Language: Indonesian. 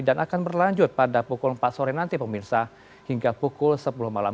dan akan berlanjut pada pukul empat sore nanti pemirsa hingga pukul sepuluh malam